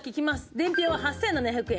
伝票は８７００円。